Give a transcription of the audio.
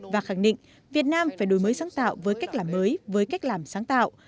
và khẳng định việt nam phải đổi mới sáng tạo với cách làm mới với cách làm sáng tạo